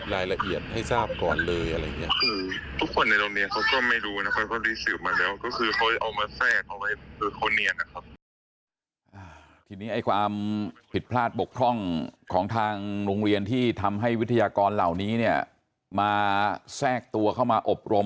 แทรกออกไว้คนนี้นะครับ